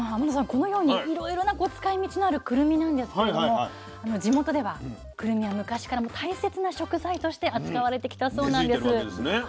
このようにいろいろな使いみちのあるくるみなんですけれど地元ではくるみは昔から大切な食材として扱われてきたそうなんです。